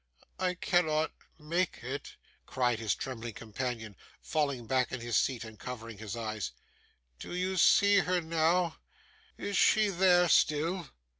'I cannot make it!' cried his trembling companion, falling back in his seat and covering his eyes. 'Do you see her now? Is she there still?